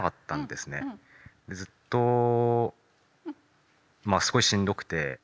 ずっとまあすごいしんどくて。